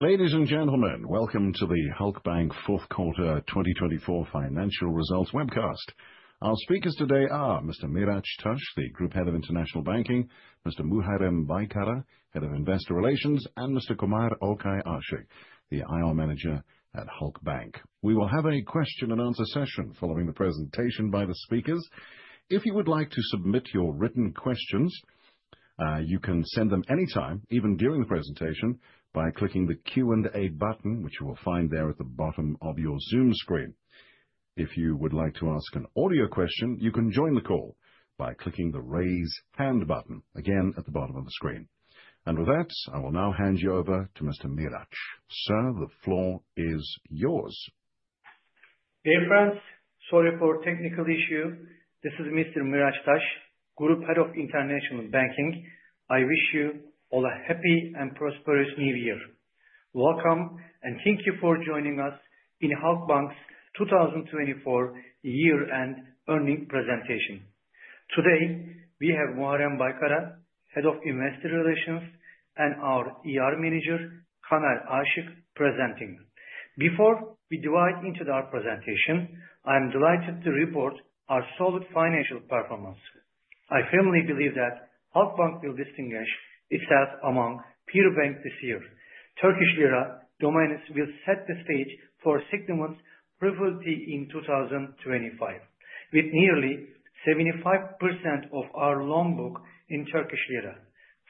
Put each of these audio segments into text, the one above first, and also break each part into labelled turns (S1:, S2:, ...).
S1: Ladies and gentlemen, welcome to the Halkbank Fourth Quarter 2024 financial results webcast. Our speakers today are Mr. Miraç Taş, the Group Head of International Banking, Mr. Muharrem Baykara, Head of Investor Relations, and Mr. Kamer Olkay Aşık, the IR Manager at Halkbank. We will have a question and answer session following the presentation by the speakers. If you would like to submit your written questions, you can send them anytime, even during the presentation, by clicking the Q&A button, which you will find there at the bottom of your Zoom screen. If you would like to ask an audio question, you can join the call by clicking the Raise Hand button, again at the bottom of the screen. And with that, I will now hand you over to Mr. Miraç. Sir, the floor is yours.
S2: Dear friends, sorry for the technical issue. This is Mr. Miraç Taş, Group Head of International Banking. I wish you all a happy and prosperous New Year. Welcome, and thank you for joining us in Halkbank's 2024 year-end Earnings Presentation. Today, we have Muharrem Baykara, Head of Investor Relations, and our IR Manager, Kamer Aşık, presenting. Before we dive into our presentation, I am delighted to report our solid financial performance. I firmly believe that Halkbank will distinguish itself among peer banks this year. Turkish lira dominance will set the stage for a significant profitability in 2025, with nearly 75% of our loan book in Turkish lira.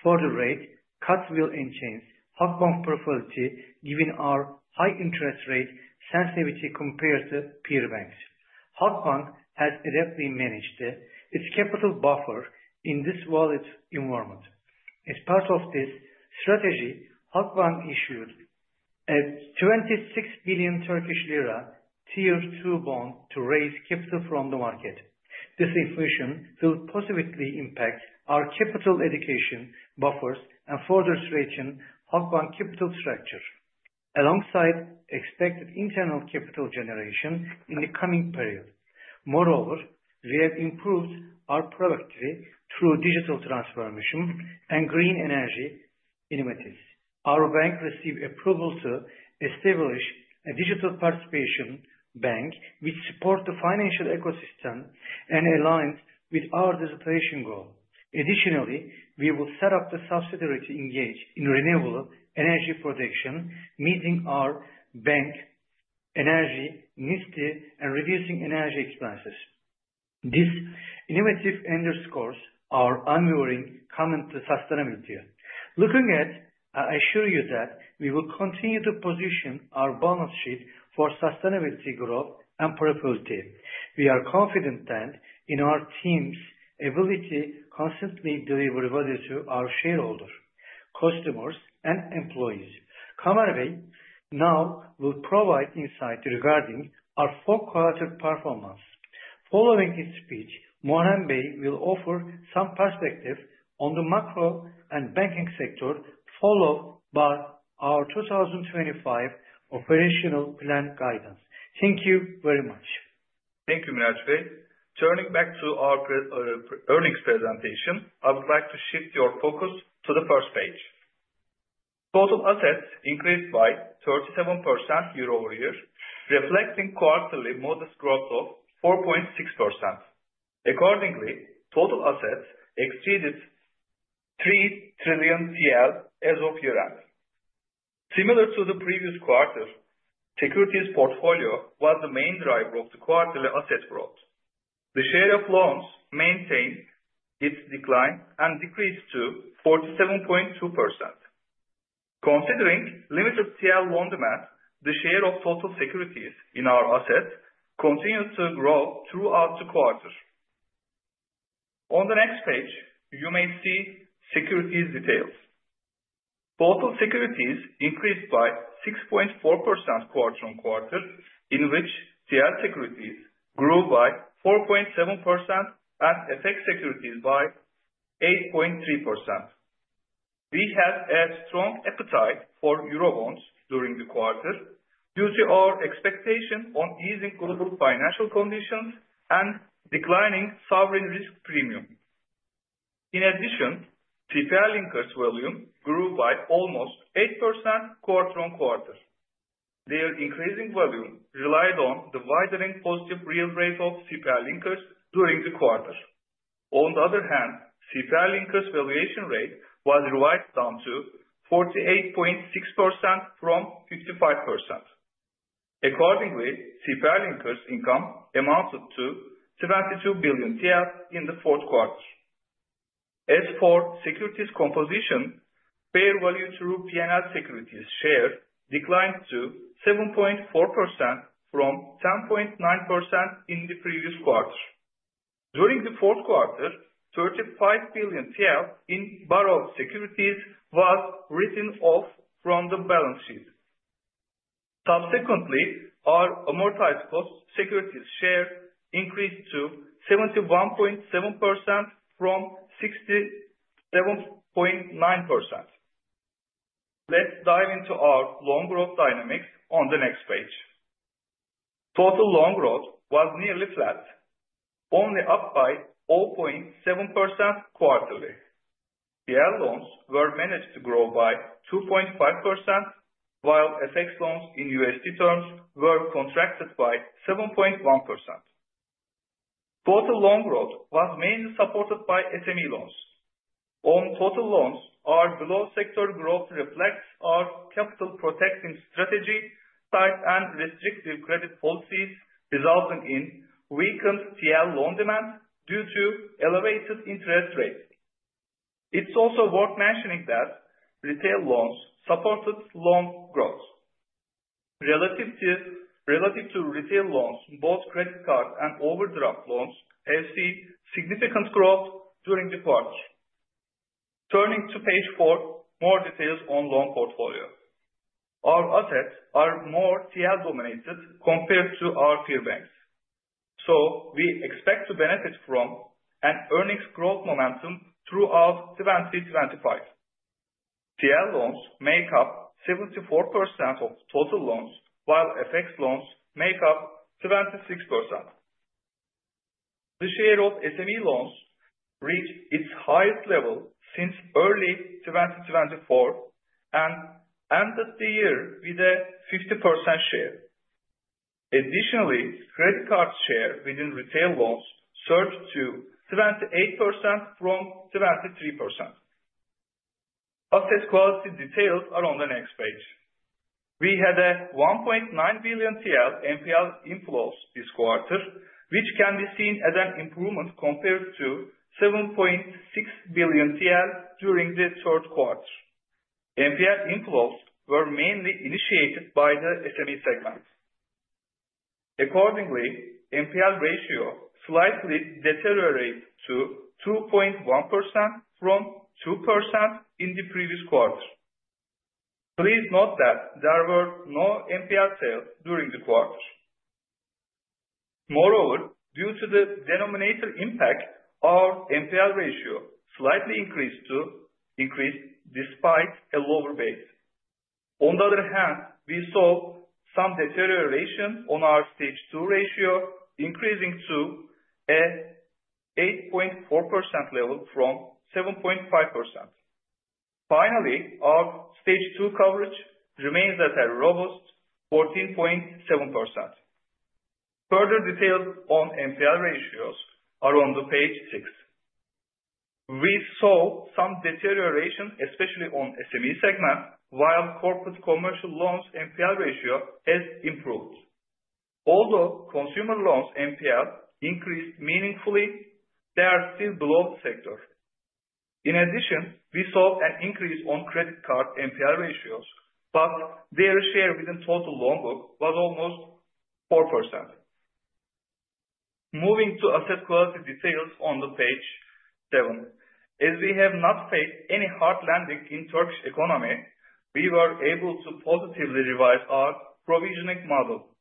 S2: Further rate cuts will change Halkbank's profitability, given our high interest rate sensitivity compared to peer banks. Halkbank has adeptly managed its capital buffer in this volatile environment. As part of this strategy, Halkbank issued a 26 billion Turkish lira Tier 2 bond to raise capital from the market. This issuance will positively impact our capital allocation buffers and further strengthen Halkbank's capital structure, alongside expected internal capital generation in the coming period. Moreover, we have improved our productivity through digital transformation and green energy initiatives. Our bank received approval to establish a digital participation bank, which supports the financial ecosystem and aligns with our digitalization goal. Additionally, we will set up a subsidiary to engage in renewable energy production, meeting our bank energy needs and reducing energy expenses. This initiative underscores our ongoing commitment to sustainability. Looking ahead, I assure you that we will continue to position our balance sheet for sustainability growth and profitability. We are confident in our team's ability to consistently deliver value to our shareholders, customers, and employees. Kamer now will provide insight regarding our fourth quarter performance. Following his speech, Muharrem will offer some perspective on the macro and banking sector, followed by our 2025 operational plan guidance. Thank you very much.
S3: Thank you, Miraç. Turning back to our earnings presentation, I would like to shift your focus to the first page. Total assets increased by 37% year-over-year, reflecting quarterly modest growth of 4.6%. Accordingly, total assets exceeded 3 trillion TL as of year-end. Similar to the previous quarter, securities portfolio was the main driver of the quarterly asset growth. The share of loans maintained its decline and decreased to 47.2%. Considering limited TL loan demand, the share of total securities in our assets continued to grow throughout the quarter. On the next page, you may see securities details. Total securities increased by 6.4% quarter-on-quarter, in which TL securities grew by 4.7% and FX securities by 8.3%. We had a strong appetite for Eurobonds during the quarter due to our expectation on easing global financial conditions and declining sovereign risk premium. In addition, CPI linkers' volume grew by almost 8% quarter-on-quarter. Their increasing volume relied on the widening positive real rate of CPI linkers during the quarter. On the other hand, CPI linkers' valuation rate was revised down to 48.6% from 55%. Accordingly, CPI linkers' income amounted to 72 billion in the fourth quarter. As for securities composition, fair value through P&L securities share declined to 7.4% from 10.9% in the previous quarter. During the fourth quarter, 35 billion TL in borrowed securities was written off from the balance sheet. Subsequently, our amortized cost securities share increased to 71.7% from 67.9%. Let's dive into our loan growth dynamics on the next page. Total loan growth was nearly flat, only up by 0.7% quarterly. TL loans were managed to grow by 2.5%, while FX loans in USD terms were contracted by 7.1%. Total loan growth was mainly supported by SME loans. On total loans, our below-sector growth reflects our capital protecting strategy, tight and restrictive credit policies, resulting in weakened TL loan demand due to elevated interest rates. It's also worth mentioning that retail loans supported loan growth. Relative to retail loans, both credit card and overdraft loans have seen significant growth during the quarter. Turning to page four, more details on loan portfolio. Our assets are more TL dominated compared to our peer banks, so we expect to benefit from an earnings growth momentum throughout 2025. TL loans make up 74% of total loans, while FX loans make up 76%. The share of SME loans reached its highest level since early 2024 and ended the year with a 50% share. Additionally, credit card share within retail loans surged to 78% from 73%. Asset quality details are on the next page. We had 1.9 billion TL NPL inflows this quarter, which can be seen as an improvement compared to 7.6 billion TL during the third quarter. NPL inflows were mainly initiated by the SME segment. Accordingly, NPL ratio slightly deteriorated to 2.1% from 2% in the previous quarter. Please note that there were no NPL sales during the quarter. Moreover, due to the denominator impact, our NPL ratio slightly increased despite a lower base. On the other hand, we saw some deterioration on our Stage 2 ratio, increasing to an 8.4% level from 7.5%. Finally, our Stage 2 coverage remains at a robust 14.7%. Further details on NPL ratios are on page six. We saw some deterioration, especially on SME segment, while corporate commercial loans NPL ratio has improved. Although consumer loans NPL increased meaningfully, they are still below the sector. In addition, we saw an increase in credit card NPL ratios, but their share within total loan book was almost 4%. Moving to asset quality details on page seven. As we have not faced any hard landing in the Turkish economy, we were able to positively revise our provisioning model.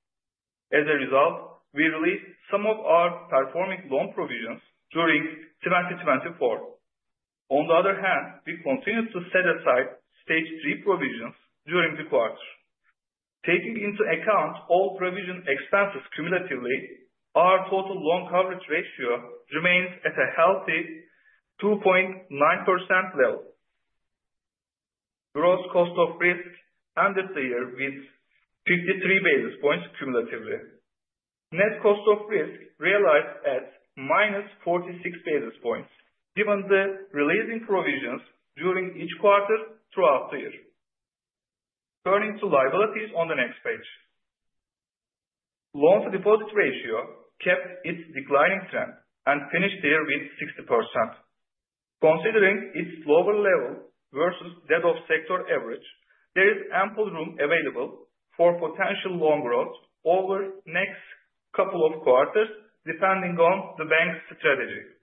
S3: As a result, we released some of our performing loan provisions during 2024. On the other hand, we continued to set aside Stage 3 provisions during the quarter. Taking into account all provision expenses cumulatively, our total loan coverage ratio remains at a healthy 2.9% level. Gross cost of risk ended the year with 53 basis points cumulatively. Net cost of risk realized at minus 46 basis points, given the releasing provisions during each quarter throughout the year. Turning to liabilities on the next page. Loan-to-deposit ratio kept its declining trend and finished the year with 60%. Considering its lower level versus debt of sector average, there is ample room available for potential loan growth over the next couple of quarters, depending on the bank's strategy.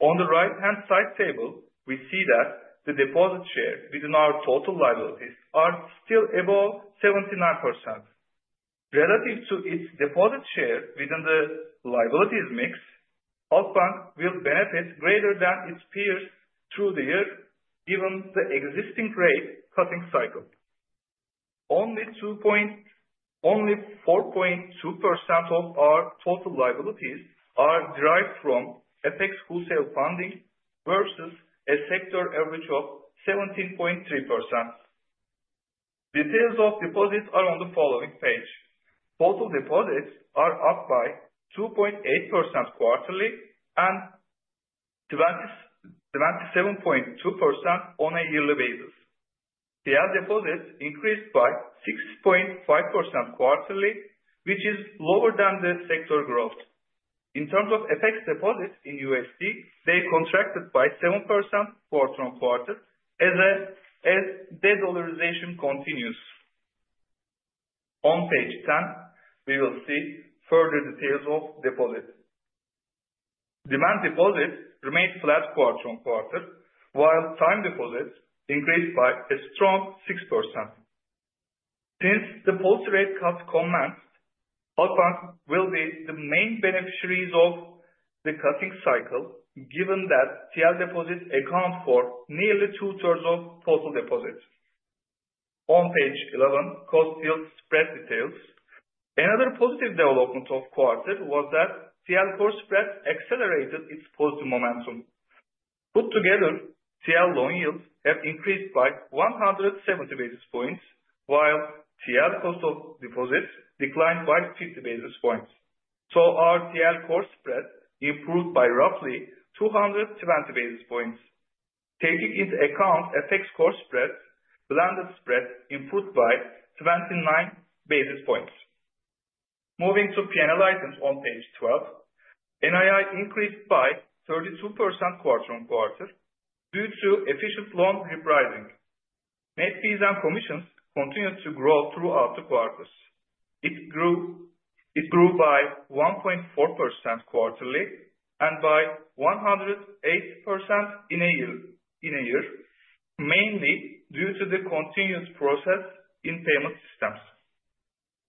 S3: On the right-hand side table, we see that the deposit share within our total liabilities is still above 79%. Relative to its deposit share within the liabilities mix, Halkbank will benefit greater than its peers through the year, given the existing rate-cutting cycle. Only 4.2% of our total liabilities are derived from FX wholesale funding versus a sector average of 17.3%. Details of deposits are on the following page. Total deposits are up by 2.8% quarterly and 27.2% on a yearly basis. TL deposits increased by 6.5% quarterly, which is lower than the sector growth. In terms of FX deposits in USD, they contracted by 7% quarter-on-quarter as the de-dollarization continues. On page 10, we will see further details of deposits. Demand deposits remained flat quarter-on-quarter, while time deposits increased by a strong 6%. Since the post rate cuts commenced, Halkbank will be the main beneficiaries of the cutting cycle, given that TL deposits account for nearly 2/3 of total deposits. On page 11, cost yield spread details. Another positive development of the quarter was that TL core spread accelerated its positive momentum. Put together, TL loan yields have increased by 170 basis points, while TL cost of deposits declined by 50 basis points. So, our TL core spread improved by roughly 220 basis points. Taking into account FX core spreads, blended spread improved by 29 basis points. Moving to P&L items on page 12, NII increased by 32% quarter-on-quarter due to efficient loan repricing. Net fees and commissions continued to grow throughout the quarters. It grew by 1.4% quarterly and by 108% in a year, mainly due to the continued process in payment systems.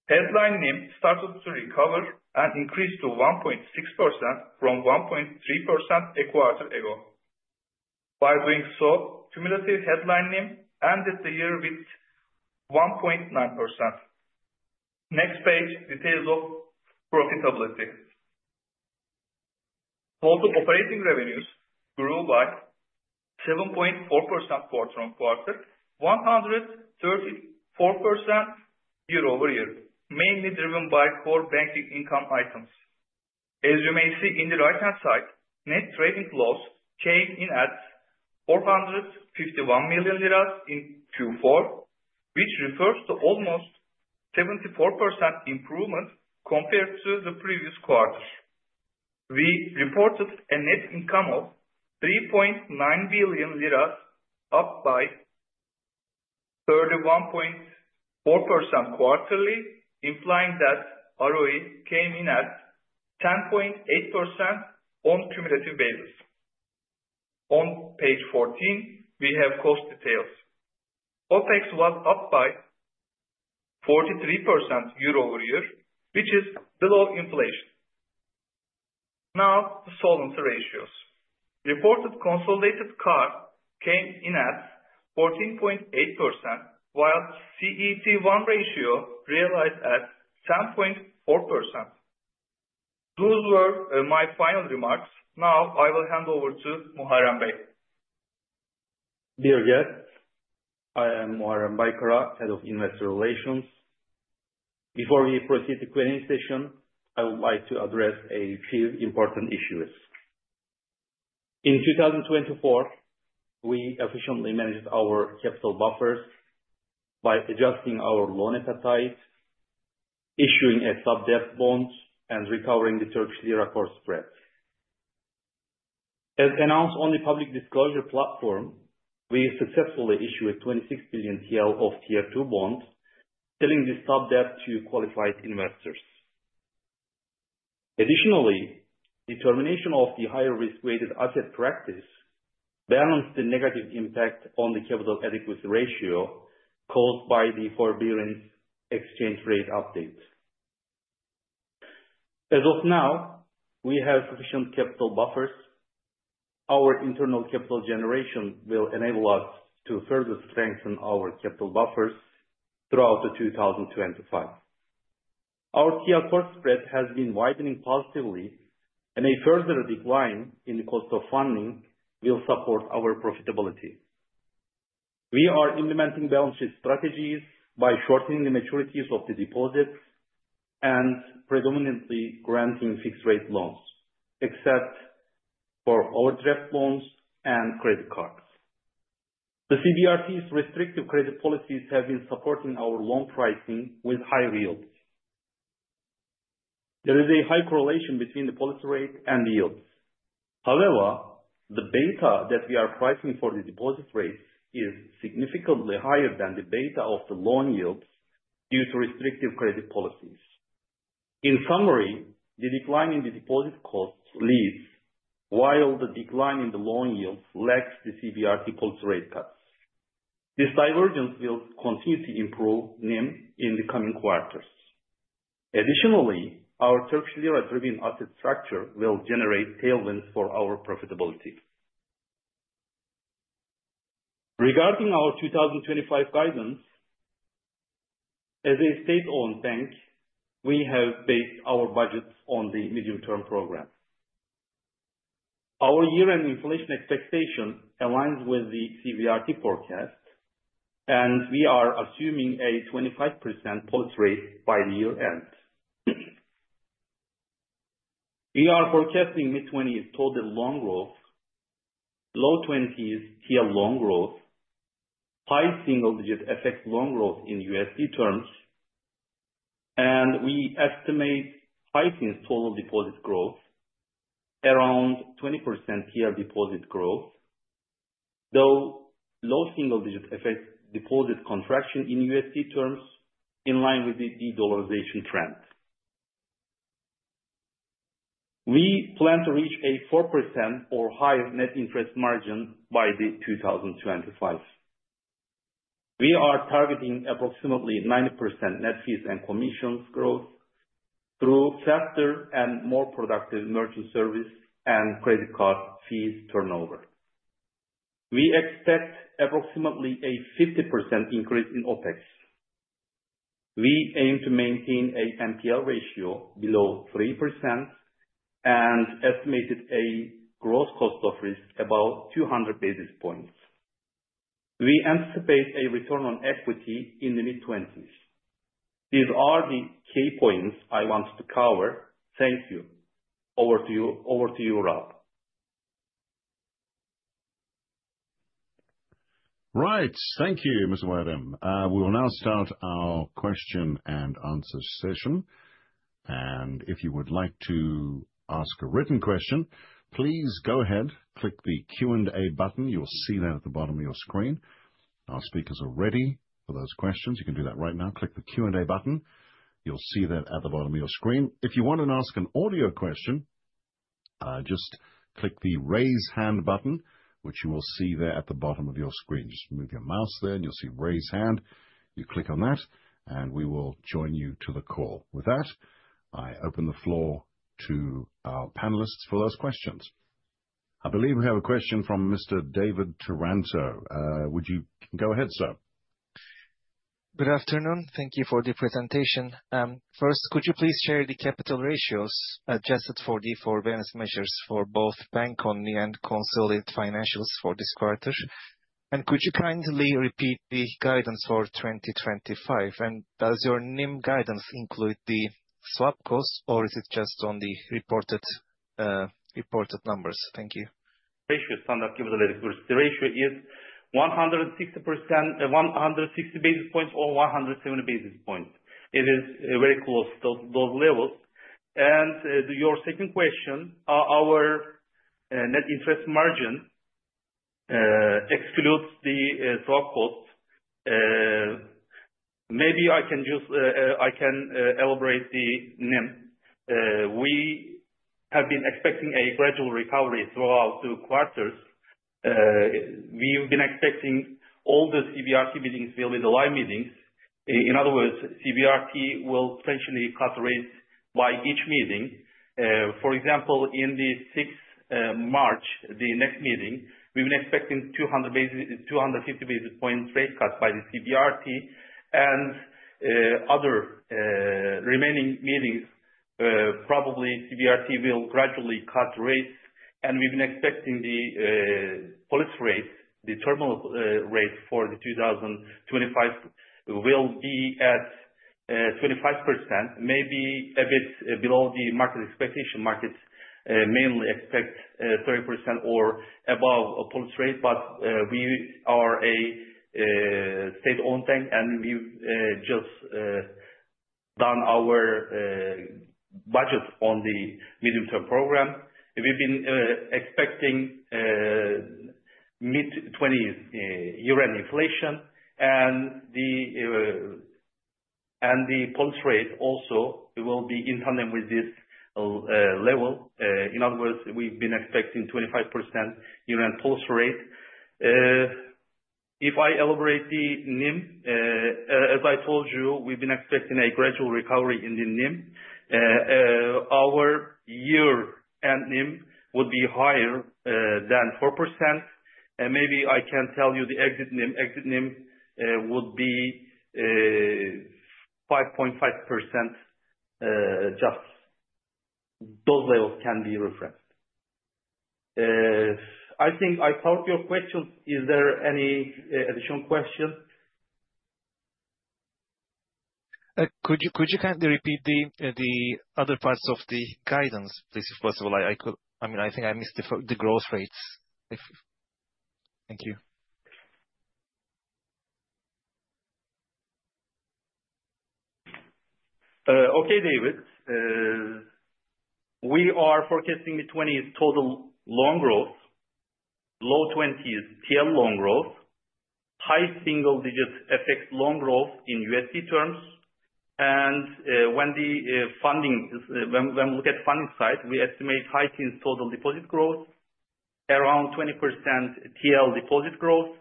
S3: Headline NIM started to recover and increased to 1.6% from 1.3% a quarter ago. By doing so, cumulative headline NIM ended the year with 1.9%. Next page, details of profitability. Total operating revenues grew by 7.4% quarter-on-quarter, 134% year-over-year, mainly driven by core banking income items. As you may see in the right-hand side, net trading loss came in at 451 million lira in Q4, which refers to almost 74% improvement compared to the previous quarter. We reported a net income of 3.9 billion lira, up by 31.4% quarterly, implying that ROE came in at 10.8% on cumulative basis. On page 14, we have cost details. OpEx was up by 43% year-over-year, which is below inflation. Now, the solvency ratios. Reported consolidated CAR came in at 14.8%, while CET1 ratio realized at 10.4%. Those were my final remarks. Now, I will hand over to Muharrem Baykara.
S4: Dear guests, I am Muharrem Baykara, Head of Investor Relations. Before we proceed to the Q&A session, I would like to address a few important issues. In 2024, we efficiently managed our capital buffers by adjusting our loan appetite, issuing a sub-debt bond, and recovering the Turkish lira core spread. As announced on the Public Disclosure Platform, we successfully issued 26 billion TL of Tier 2 bond, selling this sub-debt to qualified investors. Additionally, determination of the higher risk-weighted asset practice balanced the negative impact on the Capital Adequacy Ratio caused by the forbearance exchange rate update. As of now, we have sufficient capital buffers. Our internal capital generation will enable us to further strengthen our capital buffers throughout 2025. Our TL core spread has been widening positively, and a further decline in the cost of funding will support our profitability. We are implementing balance sheet strategies by shortening the maturities of the deposits and predominantly granting fixed-rate loans, except for overdraft loans and credit cards. The CBRT's restrictive credit policies have been supporting our loan pricing with high yields. There is a high correlation between the policy rate and the yields. However, the beta that we are pricing for the deposit rates is significantly higher than the beta of the loan yields due to restrictive credit policies. In summary, the decline in the deposit costs leads, while the decline in the loan yields lags the CBRT policy rate cuts. This divergence will continue to improve NIM in the coming quarters. Additionally, our Turkish lira-driven asset structure will generate tailwinds for our profitability. Regarding our 2025 guidance, as a state-owned bank, we have based our budgets on the Medium-Term Program. Our year-end inflation expectation aligns with the CBRT forecast, and we are assuming a 25% policy rate by the year end. We are forecasting mid-20s total loan growth, low 20s TL loan growth, high single-digit FX loan growth in USD terms, and we estimate high-teens total deposit growth, around 20% TL deposit growth, though low single-digit FX deposit contraction in USD terms in line with the de-dollarization trend. We plan to reach a 4% or higher net interest margin by 2025. We are targeting approximately 90% net fees and commissions growth through faster and more productive merchant service and credit card fees turnover. We expect approximately a 50% increase in OpEx. We aim to maintain an NPL ratio below 3% and estimated a gross cost of risk about 200 basis points. We anticipate a return on equity in the mid-20s. These are the key points I wanted to cover. Thank you. Over to you, Rob.
S1: Right. Thank you, Mr. Muharrem. We will now start our question and answer session, and if you would like to ask a written question, please go ahead, click the Q&A button. You'll see that at the bottom of your screen. Our speakers are ready for those questions. You can do that right now. Click the Q&A button. You'll see that at the bottom of your screen. If you want to ask an audio question, just click the raise hand button, which you will see there at the bottom of your screen. Just move your mouse there and you'll see raise hand. You click on that and we will join you to the call. With that, I open the floor to our panelists for those questions. I believe we have a question from Mr. David Taranto. Would you go ahead, sir?
S5: Good afternoon. Thank you for the presentation. First, could you please share the capital ratios adjusted for the forbearance measures for both bank only and consolidated financials for this quarter? And could you kindly repeat the guidance for 2025? And does your NIM guidance include the swap costs, or is it just on the reported numbers? Thank you.
S4: Our cost of risk is 160 basis points or 170 basis points. It is very close to those levels, and to your second question, our net interest margin excludes the swap costs. Maybe I can just elaborate the NIM. We have been expecting a gradual recovery throughout the quarters. We've been expecting all the CBRT meetings will be the live meetings. In other words, CBRT will potentially cut rates by each meeting. For example, in the 6th of March, the next meeting, we've been expecting 250 basis points rate cut by the CBRT and other remaining meetings. Probably CBRT will gradually cut rates, and we've been expecting the policy rate, the terminal rate for the 2025 will be at 25%, maybe a bit below the market expectation. Markets mainly expect 30% or above a policy rate, but we are a state-owned bank and we've just done our budget on the Medium-Term Program. We've been expecting mid-20s year-end inflation and the policy rate also will be in tandem with this level. In other words, we've been expecting 25% year-end policy rate. If I elaborate the NIM, as I told you, we've been expecting a gradual recovery in the NIM. Our year-end NIM would be higher than 4%. And maybe I can tell you the exit NIM. Exit NIM would be 5.5%. Just those levels can be referenced. I think I covered your questions. Is there any additional question?
S5: Could you kindly repeat the other parts of the guidance, please, if possible? I mean, I think I missed the growth rates. Thank you.
S4: Okay, David. We are forecasting the 20s total loan growth, low 20s TL loan growth, high single-digit FX loan growth in USD terms. When we look at the funding side, we estimate heightened total deposit growth, around 20% TL deposit growth,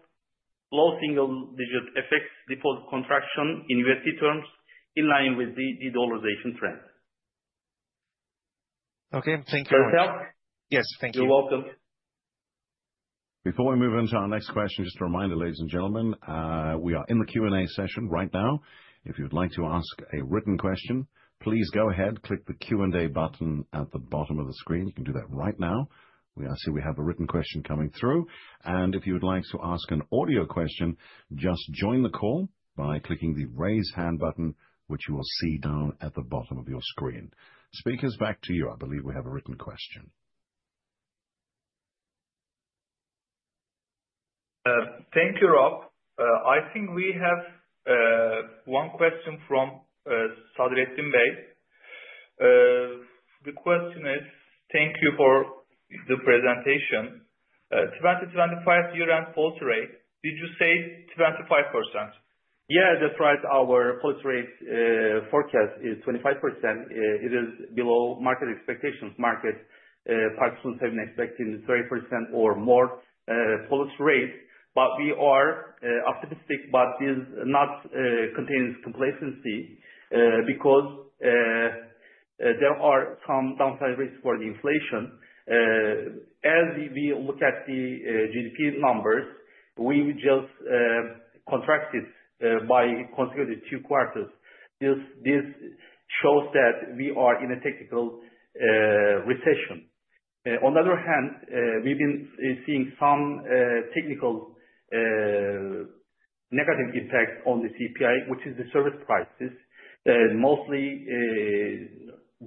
S4: low single-digit FX deposit contraction in USD terms in line with the de-dollarization trend.
S5: Okay. Thank you very much.
S4: Can I help?
S5: Yes, thank you.
S4: You're welcome.
S1: Before we move on to our next question, just a reminder, ladies and gentlemen, we are in the Q&A session right now. If you'd like to ask a written question, please go ahead, click the Q&A button at the bottom of the screen. You can do that right now. I see we have a written question coming through. And if you would like to ask an audio question, just join the call by clicking the raise hand button, which you will see down at the bottom of your screen. Speakers, back to you. I believe we have a written question.
S3: Thank you, Rob. I think we have one question from Sadettin. The question is, "Thank you for the presentation. 2025 year-end policy rate, did you say 25%?"
S4: Yeah, that's right. Our policy rate forecast is 25%. It is below market expectations. Market participants have been expecting 30% or more policy rate. But we are optimistic, but this does not contain complacency because there are some downside risks for the inflation. As we look at the GDP numbers, we just contracted by consecutive two quarters. This shows that we are in a technical recession. On the other hand, we've been seeing some technical negative impact on the CPI, which is the service prices, mostly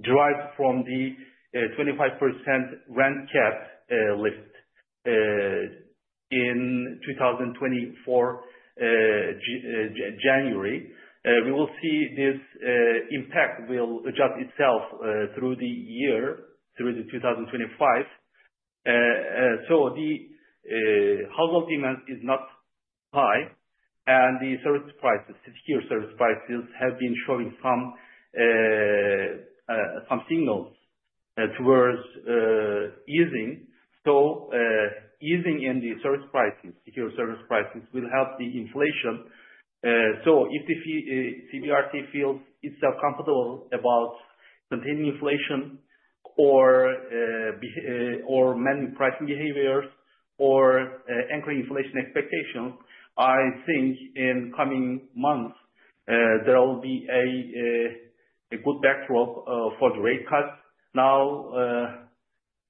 S4: derived from the 25% rent cap lift in 2024 January. We will see this impact will adjust itself through the year, through 2025. The household demand is not high, and the core service prices have been showing some signals towards easing. Easing in the service prices, core service prices will help the inflation. If the CBRT feels itself comfortable about containing inflation or managing pricing behaviors or anchoring inflation expectations, I think in coming months, there will be a good backdrop for the rate cut. Now,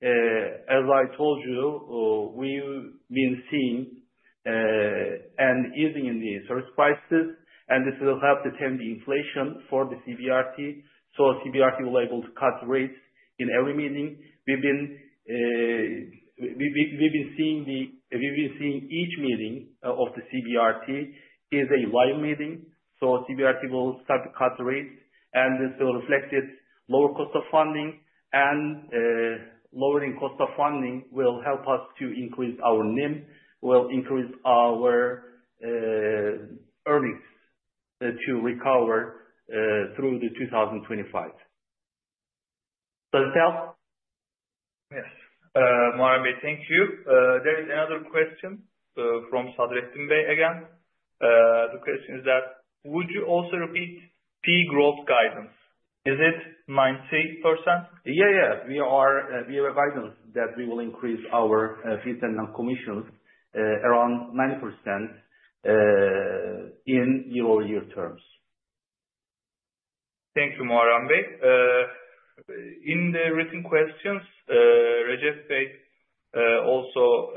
S4: as I told you, we've been seeing an easing in the service prices, and this will help determine the inflation for the CBRT. CBRT will be able to cut rates in every meeting. We've been seeing each meeting of the CBRT is a live meeting. CBRT will start to cut rates, and this will reflect its lower cost of funding, and lowering cost of funding will help us to increase our NIM, will increase our earnings to recover through 2025. Does it help?
S3: Yes. Muharrem, thank you. There is another question from Sadettin again. The question is, would you also repeat fee growth guidance? Is it 90%?
S4: Yeah, yeah. We have a guidance that we will increase our fees and commissions around 90% in year-over-year terms.
S3: Thank you, Muharrem. In the written questions, Rajesh Bey also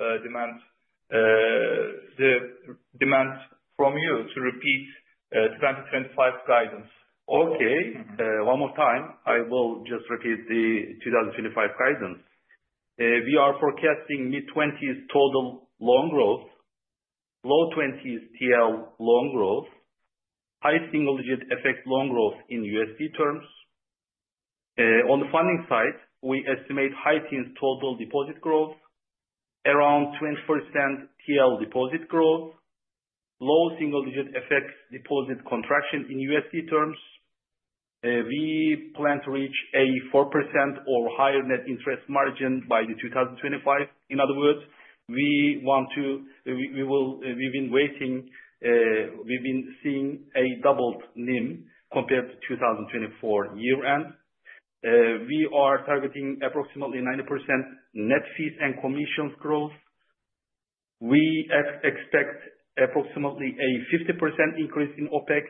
S3: demands from you to repeat 2025 guidance.
S4: Okay. One more time, I will just repeat the 2025 guidance. We are forecasting mid-20s total loan growth, low-20s TL loan growth, high single-digit FX loan growth in USD terms. On the funding side, we estimate high-teens total deposit growth, around 20% TL deposit growth, low single-digit FX deposit contraction in USD terms. We plan to reach a 4% or higher net interest margin by 2025. In other words, we've been waiting. We've been seeing a doubled NIM compared to 2024 year-end. We are targeting approximately 90% net fees and commissions growth. We expect approximately a 50% increase in OPEX.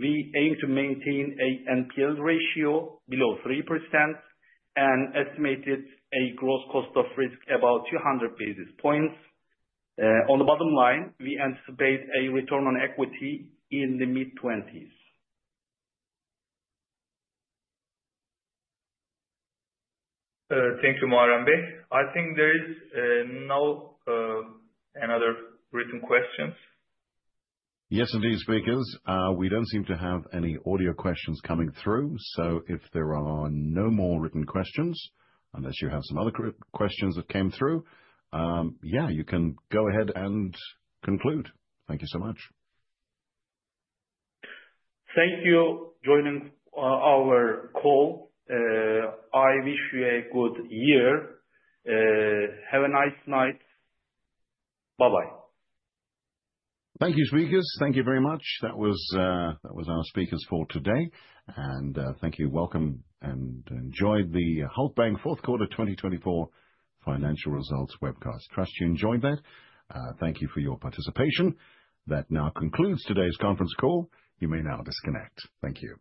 S4: We aim to maintain an NPL ratio below 3% and estimated a gross cost of risk about 200 basis points. On the bottom line, we anticipate a return on equity in the mid-20s.
S3: Thank you, Muharrem. I think there is no another written question.
S1: Yes, indeed, speakers. We don't seem to have any audio questions coming through. So if there are no more written questions, unless you have some other questions that came through, yeah, you can go ahead and conclude. Thank you so much.
S4: Thank you for joining our call. I wish you a good year. Have a nice night. Bye-bye.
S1: Thank you, speakers. Thank you very much. That was our speakers for today. And thank you. Welcome and enjoy the Halkbank Fourth Quarter 2024 Financial Results Webcast. Trust you enjoyed that. Thank you for your participation. That now concludes today's conference call. You may now disconnect. Thank you.